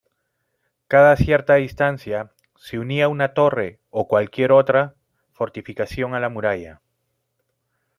Cada cierta distancia, se unía una torre o cualquier otra fortificación a la muralla.